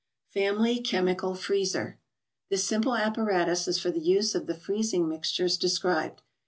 family Chemical*tfm?er. This simp ! e 0 7 apparatus is for the use of the freezing mixtures described.